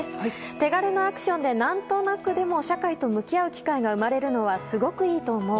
手軽なアクションで何となくでも社会と向き合う機会が生まれるのはすごくいいと思う。